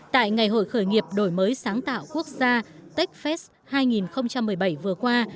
tại ngày hội khởi nghiệp đổi mới sáng tạo quốc gia techfest hai nghìn một mươi bảy vừa qua